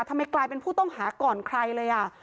ทำไมกลายเป็นผู้ต้องหาก่อนใครเลยอ่ะ